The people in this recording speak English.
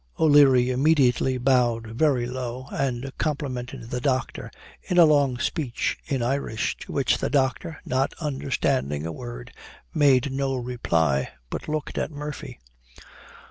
O'Leary immediately bowed very low, and complimented the doctor in a long speech in Irish, to which the doctor, not understanding a word, made no reply, but looked at Murphy.